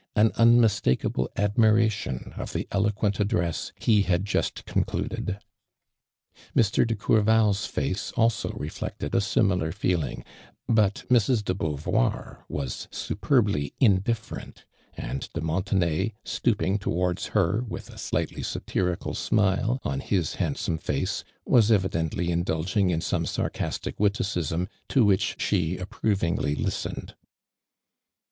an immistakable admiration of the elo (luent address he had just concluded. Mr, de (Jourval's face als i reflected u simi lar feeling, but Mrs. de Heauvoir was superbly indifferent, and de Montenay, stooping towards her, with a sliglitly satiri cal smile on his handsome face, was evident ly indulging in some sarcastic witticism to which she aj)provingly listened.